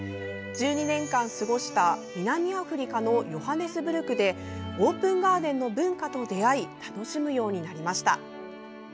１２年間過ごした南アフリカのヨハネスブルクでオープンガーデンの文化と出会い楽しむようになりました。